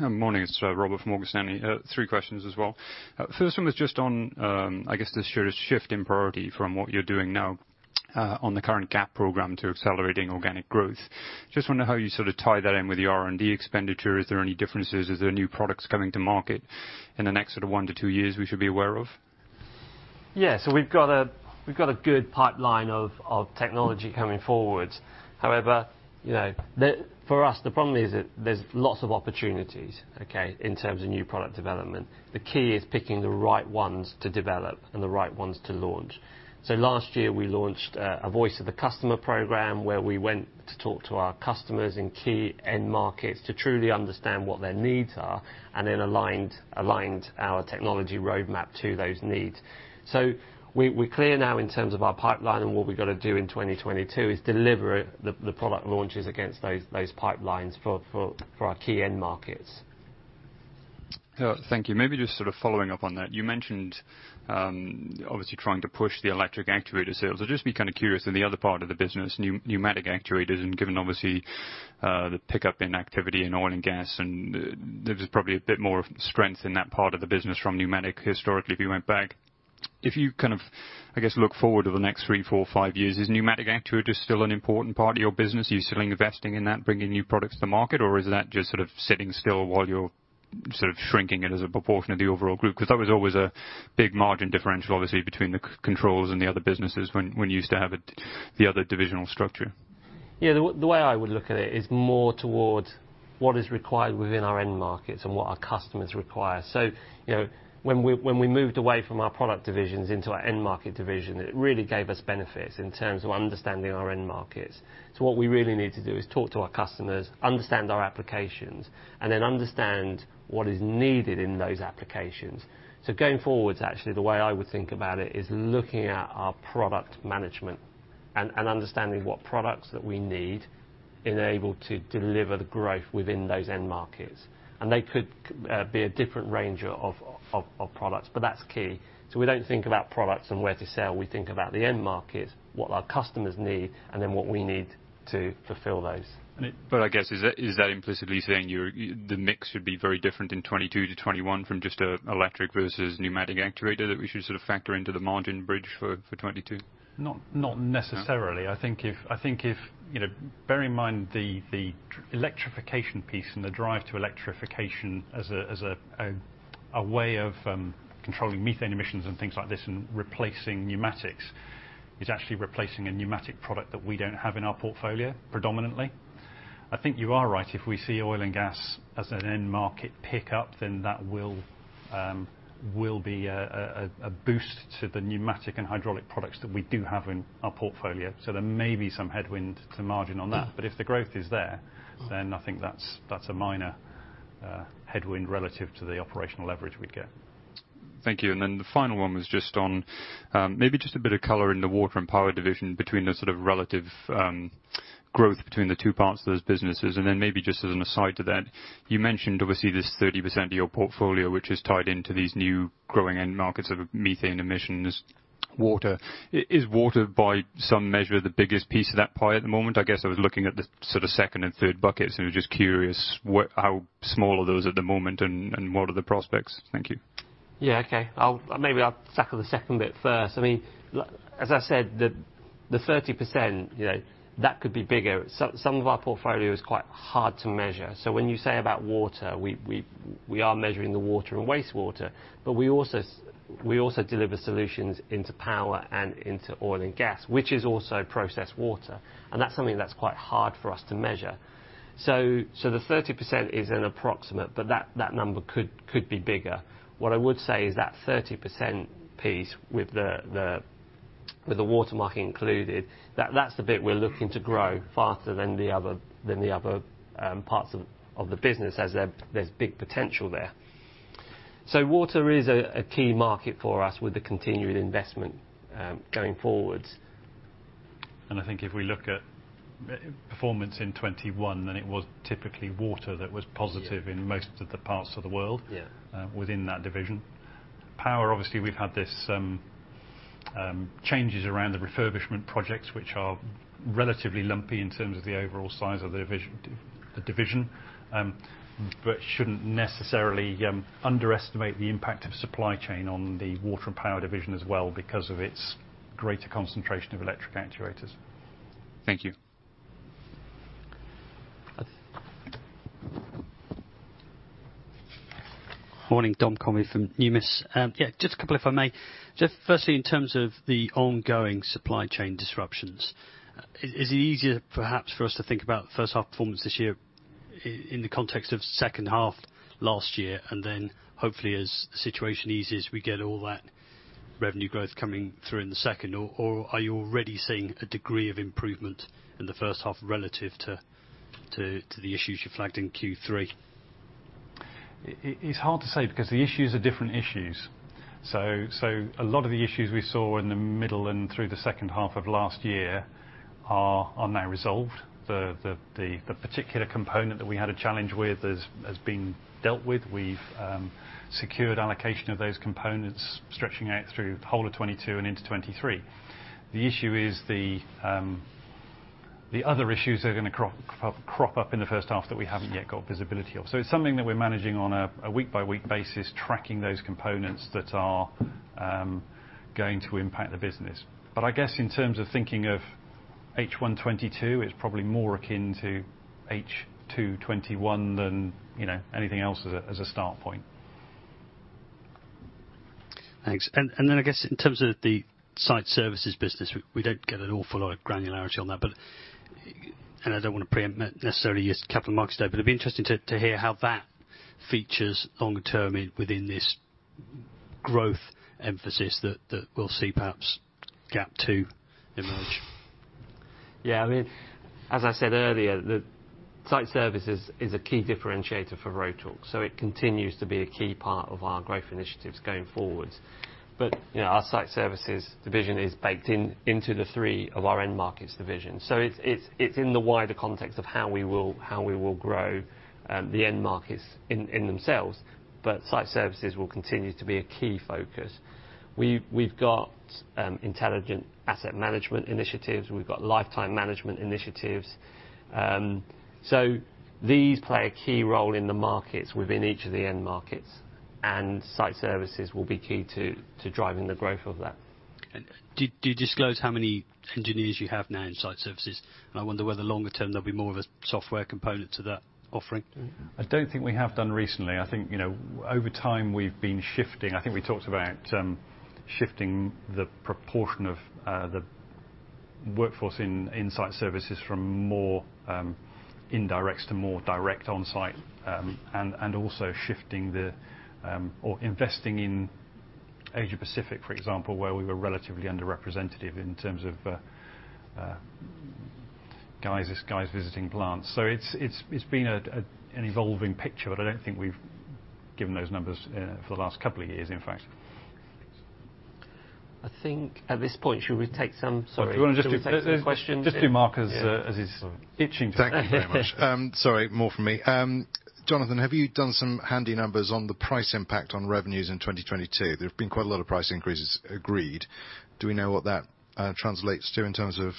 Morning. It's Robert from Morgan Stanley. Three questions as well. First one was just on, I guess this year's shift in priority from what you're doing now, on the current GAP program to accelerating organic growth. Just wonder how you sort of tie that in with the R&D expenditure. Is there any differences? Is there new products coming to market in the next sort of one to two years we should be aware of? Yeah. We've got a good pipeline of technology coming forward. However, for us, the problem is that there's lots of opportunities in terms of new product development. The key is picking the right ones to develop and the right ones to launch. Last year, we launched a Voice of the Customer programme where we went to talk to our customers in key end markets to truly understand what their needs are and then aligned our technology roadmap to those needs. We're clear now in terms of our pipeline and what we've gotta do in 2022 is deliver the product launches against those pipelines for our key end markets. Thank you. Maybe just sort of following up on that, you mentioned, obviously trying to push the electric actuator sales. I'd just be kind of curious in the other part of the business, pneumatic actuators, and given obviously, the pickup in activity in oil and gas, and there was probably a bit more strength in that part of the business from pneumatic historically, if you went back. If you kind of, I guess, look forward to the next three, four, five years, is pneumatic actuator still an important part of your business? Are you still investing in that, bringing new products to the market, or is that just sort of sitting still while you're sort of shrinking it as a proportion of the overall group? 'Cause that was always a big margin differential, obviously, between the controls and the other businesses when you used to have it, the other divisional structure. Yeah, the way I would look at it is more towards what is required within our end markets and what our customers require. You know, when we moved away from our product divisions into our end market division, it really gave us benefits in terms of understanding our end markets. What we really need to do is talk to our customers, understand our applications, and then understand what is needed in those applications. Going forwards, actually, the way I would think about it is looking at our product management and understanding what products that we need enable to deliver the growth within those end markets. They could be a different range of products, but that's key. We don't think about products and where to sell. We think about the end markets, what our customers need, and then what we need to fulfill those. I guess, is that implicitly saying your mix should be very different from 2021 to 2022 from just an electric versus pneumatic actuator that we should sort of factor into the margin bridge for 2022? Not necessarily. No. I think if you know, bear in mind the electrification piece and the drive to electrification as a way of controlling methane emissions and things like this and replacing pneumatics is actually replacing a pneumatic product that we don't have in our portfolio predominantly. I think you are right. If we see oil and gas as an end market pick up, then that will be a boost to the pneumatic and hydraulic products that we do have in our portfolio. So there may be some headwind to margin on that. But if the growth is there, then I think that's a minor headwind relative to the operational leverage we'd get. Thank you. Then the final one was just on, maybe just a bit of color in the water and power division between the sort of relative growth between the two parts of those businesses. Then maybe just as an aside to that, you mentioned obviously this 30% of your portfolio, which is tied into these new growing end markets of methane emissions, water. Is water by some measure the biggest piece of that pie at the moment? I guess I was looking at the sort of second and third buckets and was just curious what, how small are those at the moment and what are the prospects? Thank you. Yeah, okay. Maybe I'll tackle the second bit first. I mean, as I said, the 30%, you know, that could be bigger. Some of our portfolio is quite hard to measure. When you say about water, we are measuring the water and wastewater, but we also deliver solutions into power and into oil and gas, which is also processed water. That's something that's quite hard for us to measure. The 30% is an approximate, but that number could be bigger. What I would say is that 30% piece with the water market included, that's the bit we're looking to grow faster than the other parts of the business as there's big potential there. Water is a key market for us with the continued investment going forwards. I think if we look at performance in 2021, then it was typically water that was positive. Yeah. In most of the parts of the world. Yeah. Within that division. Power, obviously we've had this changes around the refurbishment projects, which are relatively lumpy in terms of the overall size of the division. But shouldn't necessarily underestimate the impact of supply chain on the water and power division as well because of its greater concentration of electric actuators. Thank you. That's- Morning, Dom Convey from Numis. Yeah, just a couple if I may. Just firstly, in terms of the ongoing supply chain disruptions, is it easier perhaps for us to think about the first half performance this year in the context of second half last year, and then hopefully as the situation eases, we get all that revenue growth coming through in the second? Or are you already seeing a degree of improvement in the first half relative to the issues you flagged in Q3? It's hard to say because the issues are different issues. A lot of the issues we saw in the middle and through the second half of last year are now resolved. The particular component that we had a challenge with has been dealt with. We've secured allocation of those components stretching out through the whole of 2022 and into 2023. The issue is the other issues that are gonna crop up in the first half that we haven't yet got visibility of. It's something that we're managing on a week-by-week basis, tracking those components that are going to impact the business. I guess in terms of thinking of H1 2022, it's probably more akin to H2 2021 than, you know, anything else as a start point. Thanks. Then I guess in terms of the Site Services business, we don't get an awful lot of granularity on that, but I don't wanna preempt necessarily your Capital Markets Day, but it'd be interesting to hear how that features long term within this growth emphasis that we'll see perhaps GAP to emerge. Yeah, I mean, as I said earlier, the Site Services is a key differentiator for Rotork, so it continues to be a key part of our growth initiatives going forwards. You know, our Site Services division is baked in into the three of our end markets division. It's in the wider context of how we will grow the end markets in themselves. Site Services will continue to be a key focus. We've got Intelligent Asset Management initiatives. We've got life cycle management initiatives. These play a key role in the markets within each of the end markets, and Site Services will be key to driving the growth of that. Do you disclose how many engineers you have now in Site Services? I wonder whether longer term there'll be more of a software component to that offering. I don't think we have given those numbers recently. I think, you know, over time we've been shifting. I think we talked about shifting the proportion of the workforce in Site Services from more indirect to more direct on site. And also shifting or investing in Asia Pacific, for example, where we were relatively underrepresented in terms of guys visiting plants. It's been an evolving picture, but I don't think we've given those numbers for the last couple of years in fact. I think at this point, should we take some? Sorry. If you wanna just do. Take some questions. Just do Mark, as he's itching to. Thank you very much. Jonathan, have you done some handy numbers on the price impact on revenues in 2022? There have been quite a lot of price increases agreed. Do we know what that translates to in terms of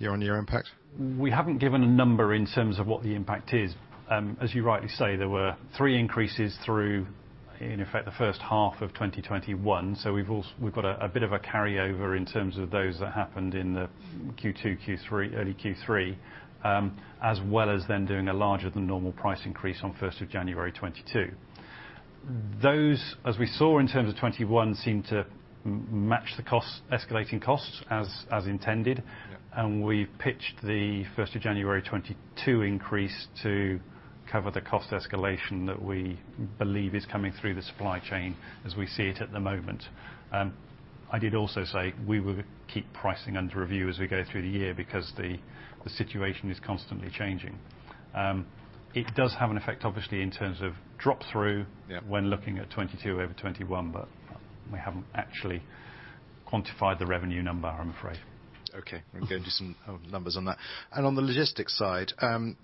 year-on-year impact? We haven't given a number in terms of what the impact is. As you rightly say, there were three increases through, in effect, the first half of 2021. We've got a bit of a carryover in terms of those that happened in the Q2, Q3, early Q3, as well as then doing a larger than normal price increase on first of January 2022. Those, as we saw in terms of 2021, seemed to match the costs, escalating costs, as intended. Yeah. We pitched the first of January 2022 increase to cover the cost escalation that we believe is coming through the supply chain as we see it at the moment. I did also say we will keep pricing under review as we go through the year because the situation is constantly changing. It does have an effect obviously, in terms of drop through. Yeah. When looking at 2022 over 2021, but we haven't actually quantified the revenue number, I'm afraid. Okay. We'll get into some numbers on that. On the logistics side,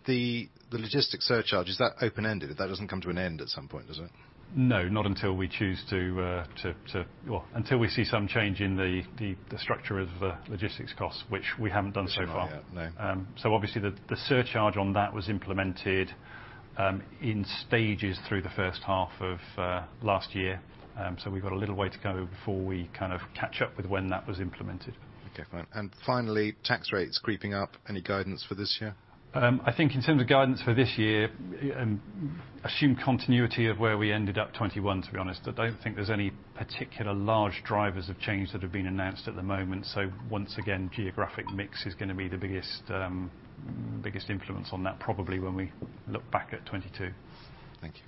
the logistics surcharge, is that open-ended? That doesn't come to an end at some point, does it? No, not until we choose to. Well, until we see some change in the structure of logistics costs, which we haven't done so far. Not yet, no. Obviously the surcharge on that was implemented in stages through the first half of last year. We've got a little way to go before we kind of catch up with when that was implemented. Okay. Finally, tax rates creeping up. Any guidance for this year? I think in terms of guidance for this year, assume continuity of where we ended up 2021, to be honest. I don't think there's any particular large drivers of change that have been announced at the moment. Once again, geographic mix is gonna be the biggest influence on that, probably when we look back at 2022. Thank you.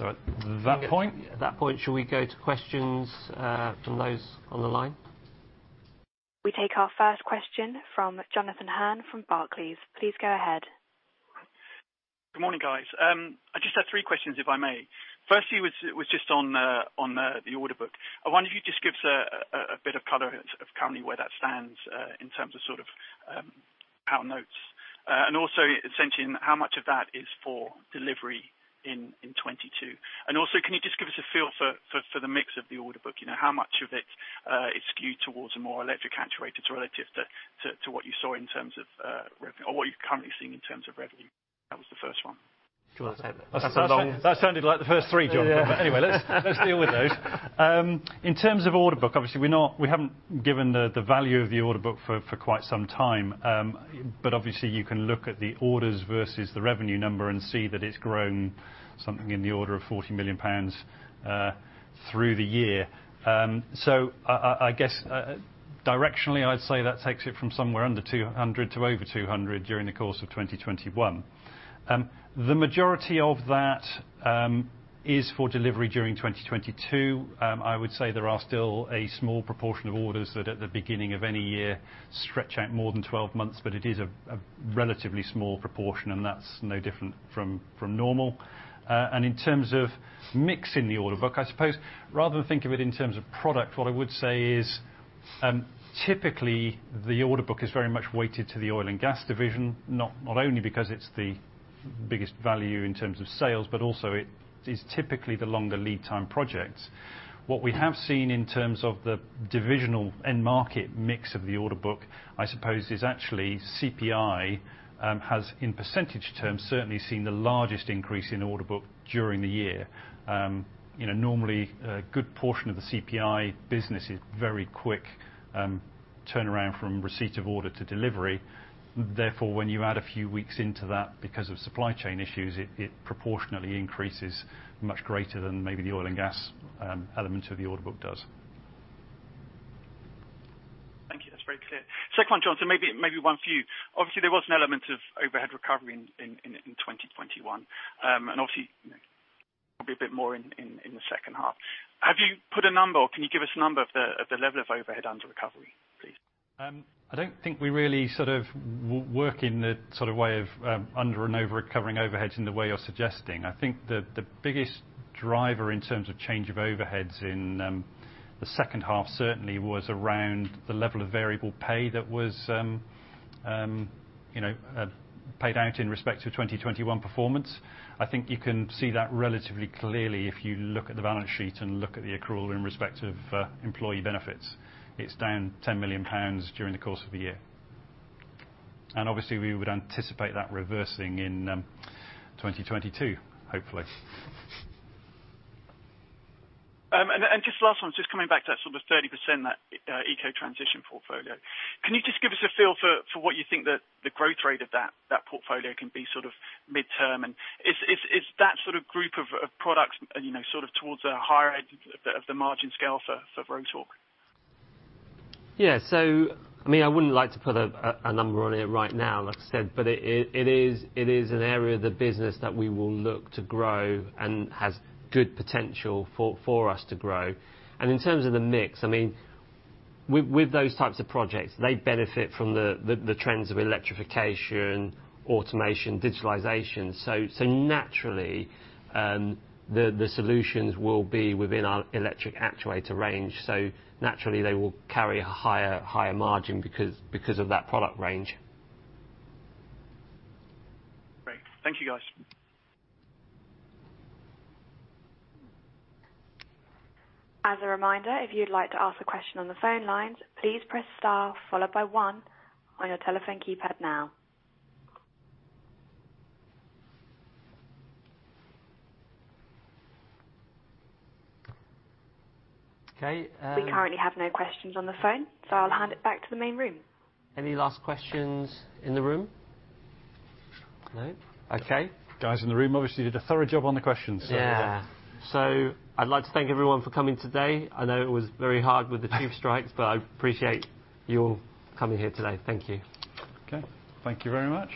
At that point. At that point, shall we go to questions, from those on the line? We take our first question from Jonathan Hurn from Barclays. Please go ahead. Good morning, guys. I just have three questions, if I may. First, it was just on the order book. I wonder if you could just give us a bit of color on currently where that stands in terms of sort of outstanding. Also essentially how much of that is for delivery in 2022. Also, can you just give us a feel for the mix of the order book? You know, how much of it is skewed towards a more electric actuator relative to what you saw in terms of or what you are currently seeing in terms of revenue? That was the first one. Do you wanna take that? That sounded like the first three, Jonathan. Yeah. Anyway, let's deal with those. In terms of order book, obviously we haven't given the value of the order book for quite some time. Obviously you can look at the orders versus the revenue number and see that it's grown something in the order of 40 million pounds through the year. I guess directionally, I'd say that takes it from somewhere under 200 to over 200 during the course of 2021. The majority of that is for delivery during 2022. I would say there are still a small proportion of orders that at the beginning of any year stretch out more than 12 months, but it is a relatively small proportion, and that's no different from normal. In terms of mix in the order book, I suppose rather than think of it in terms of product, what I would say is, typically the order book is very much weighted to the oil and gas division, not only because it's the biggest value in terms of sales, but also it is typically the longer lead time projects. What we have seen in terms of the divisional end market mix of the order book, I suppose is actually CPI has in percentage terms, certainly seen the largest increase in order book during the year. You know, normally a good portion of the CPI business is very quick turnaround from receipt of order to delivery. Therefore, when you add a few weeks into that because of supply chain issues, it proportionally increases much greater than maybe the oil and gas element of the order book does. Thank you. That's very clear. Second one, Jonathan, maybe one for you. Obviously, there was an element of overhead recovery in 2021. Obviously probably a bit more in the second half. Have you put a number or can you give us a number of the level of overhead under recovery, please? I don't think we really sort of work in the sort of way of under and overcovering overheads in the way you're suggesting. I think the biggest driver in terms of change of overheads in the second half certainly was around the level of variable pay that was you know paid out in respect to 2021 performance. I think you can see that relatively clearly if you look at the balance sheet and look at the accrual in respect of employee benefits. It's down 10 million pounds during the course of the year. Obviously, we would anticipate that reversing in 2022, hopefully. Just last one. Just coming back to that sort of 30%, that eco-transition portfolio. Can you just give us a feel for what you think the growth rate of that portfolio can be sort of midterm? And is that sort of group of products, you know, sort of towards a higher end of the margin scale for Rotork? Yeah, I mean, I wouldn't like to put a number on it right now, like I said, but it is an area of the business that we will look to grow and has good potential for us to grow. In terms of the mix, I mean, with those types of projects, they benefit from the trends of electrification, automation, digitalization. Naturally, the solutions will be within our electric actuator range. Naturally they will carry a higher margin because of that product range. Great. Thank you, guys. As a reminder, if you'd like to ask a question on the phone lines, please press star followed by one on your telephone keypad now. Okay. We currently have no questions on the phone, so I'll hand it back to the main room. Any last questions in the room? No. Okay. Guys in the room obviously did a thorough job on the questions. Yeah. I'd like to thank everyone for coming today. I know it was very hard with the tube strikes, but I appreciate you all coming here today. Thank you. Okay. Thank you very much.